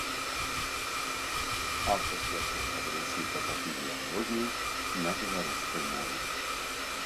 Аўтар першага падручніка па фізіялогіі на беларускай мове.